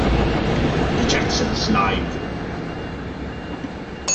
The Jacksons Live!